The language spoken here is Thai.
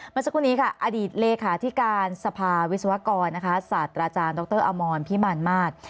เมื่อสักครู่นี้ค่ะอดีตเลขาธิการสภาวิศวกรศาสตราจารย์ดรอมรพิมารมาศ